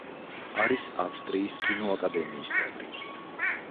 არის ავსტრიის კინოაკადემიის წევრი.